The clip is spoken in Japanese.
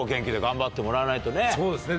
そうですね